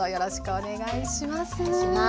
お願いします。